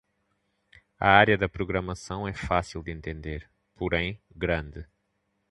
A área da programação é fácil de entender, porém grande.